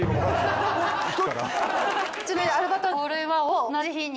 ちなみに。